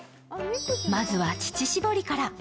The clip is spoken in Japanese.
まずは乳搾りから。